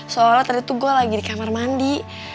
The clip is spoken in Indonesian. soalnya tadi tuh gue lagi di kamar mandi